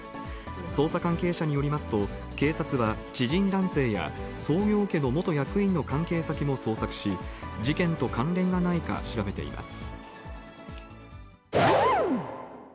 捜査関係者によりますと、警察は知人男性や創業家の元役員の関係先も捜索し、事件と関連がないか調べています。